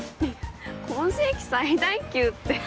今世紀最大級って。